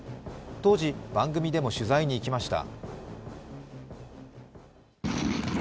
当時、番組でも取材に行きました。